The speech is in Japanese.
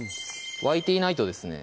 沸いていないとですね